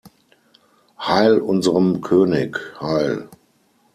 Heil unserm König, Heil!